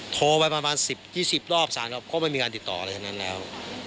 โทรไปประมาณ๑๐๒๐รอบสารรอบก็ไม่มีการติดต่ออะไรทั้งนั้นแล้ว